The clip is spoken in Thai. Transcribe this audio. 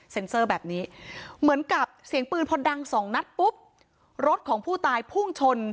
เซอร์แบบนี้เหมือนกับเสียงปืนพอดังสองนัดปุ๊บรถของผู้ตายพุ่งชน